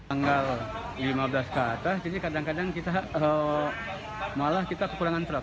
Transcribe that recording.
tanggal lima belas ke atas jadi kadang kadang kita malah kita kekurangan truk